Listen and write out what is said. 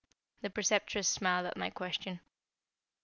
The Preceptress smiled at my question.